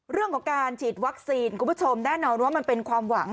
เรื่องของการฉีดวัคซีนคุณผู้ชมแน่นอนว่ามันเป็นความหวัง